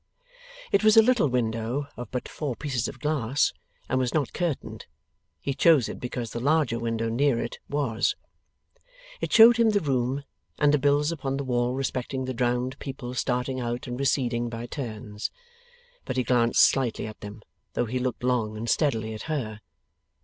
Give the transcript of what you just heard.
It was a little window of but four pieces of glass, and was not curtained; he chose it because the larger window near it was. It showed him the room, and the bills upon the wall respecting the drowned people starting out and receding by turns. But he glanced slightly at them, though he looked long and steadily at her.